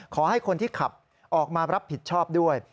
ขอให้คนที่ขับออกมารับผิดชอบด้วย